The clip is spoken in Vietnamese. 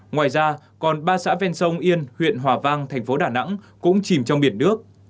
ngoài ra còn ba xã ven sông yên huyện hòa vang thành phố đà nẵng cũng chìm trong biển nước